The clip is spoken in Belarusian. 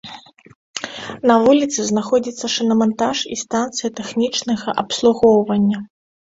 На вуліцы знаходзяцца шынамантаж і станцыя тэхнічнага абслугоўвання.